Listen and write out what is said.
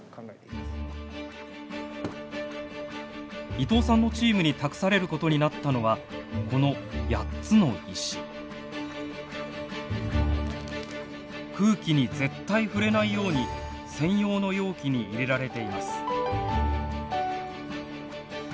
伊藤さんのチームに託されることになったのはこの空気に絶対触れないように専用の容器に入れられています。